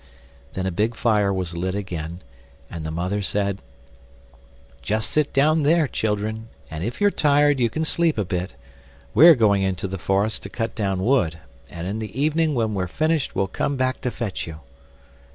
Then a big fire was lit again, and the mother said: "Just sit down there, children, and if you're tired you can sleep a bit; we're going into the forest to cut down wood, and in the evening when we're finished we'll come back to fetch you."